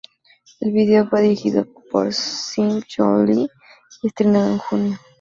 El vídeo fue dirigido por Sing J. Lee y fue estrenado en junio.